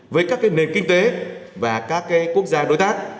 với các nền kinh tế và các quốc gia đối tác